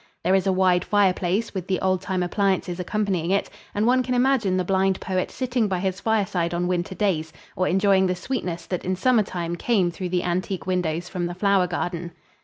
There is a wide fireplace with the old time appliances accompanying it, and one can imagine the blind poet sitting by his fireside on winter days or enjoying the sweetness that in summertime came through the antique windows from the flower garden.